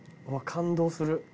感動する。